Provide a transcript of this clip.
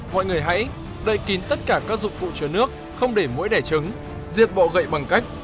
mọi người hãy đậy kín tất cả các dụng cụ chứa nước không để mũi đẻ trứng diệt bọ gậy bằng cách